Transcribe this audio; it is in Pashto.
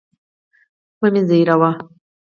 مه مي زهيروه.